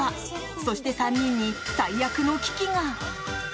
そして３人に最悪の危機が。